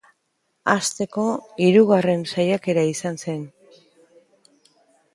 Asteko hirugarren saiakera izan zen.